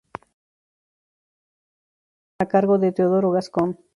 Parte de sus ilustraciones corrieron a cargo de Teodoro Gascón.